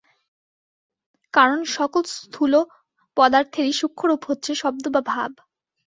কারণ, সকল স্থূল পদার্থেরই সূক্ষ্ম রূপ হচ্ছে শব্দ বা ভাব।